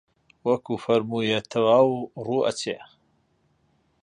وەکوو فەرموویە تەواو ڕوو ئەچێ